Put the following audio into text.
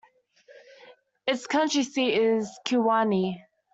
Its county seat is Kewaunee.